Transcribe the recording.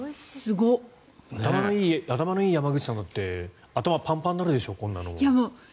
頭のいい山口さんだって頭がパンパンになるでしょ。